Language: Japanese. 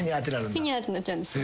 ふにゃってなっちゃうんですよ。